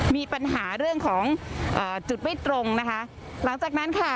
มีปัญหาเรื่องของอ่าจุดไม่ตรงนะคะหลังจากนั้นค่ะ